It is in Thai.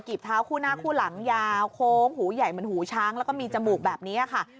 บเท้าคู่หน้าคู่หลังยาวโค้งหูใหญ่เหมือนหูช้างแล้วก็มีจมูกแบบนี้ค่ะ